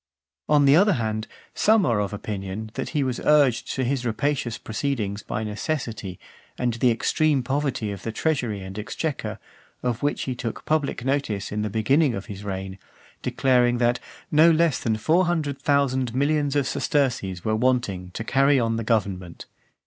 On the other hand, some are of opinion, that he was urged to his rapacious proceedings by necessity, and the extreme poverty of the treasury and exchequer, of which he took public notice in the beginning of his reign; declaring that "no less than four hundred thousand millions of sesterces were wanting to carry on the government."